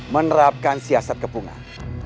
menerapkan siasat kepungan